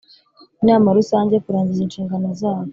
Inama Rusange kurangiza inshingano zayo